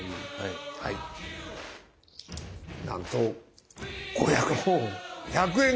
なんと５００円！